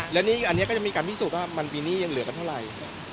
และนี่อันนี้ก็จะมีการพิสูจน์ว่ามันปีนี้ยังเหลือกันเท่าไหร่